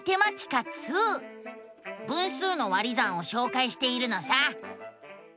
分数の「割り算」をしょうかいしているのさ。